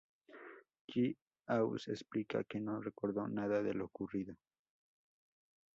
Klaus explica que no recordó nada de lo ocurrido.